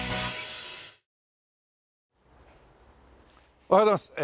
おはようございます。